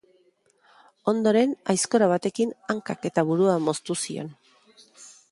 Ondoren aizkora batekin hankak eta burua moztu zion.